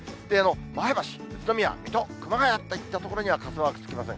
前橋、宇都宮、水戸、熊谷といった所には傘マークつきません。